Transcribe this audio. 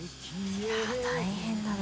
いや大変だな。